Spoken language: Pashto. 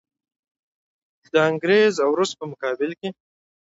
د انګریز او روس په مقابل کې.